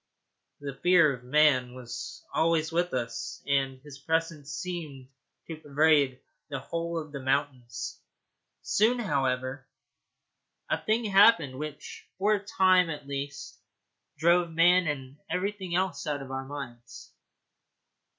The fear of man was always with us, and his presence seemed to pervade the whole of the mountains. Soon, however, a thing happened which for a time at least drove man and everything else out of our minds.